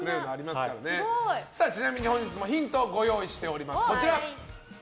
ちなみに、本日もヒントをご用意しております。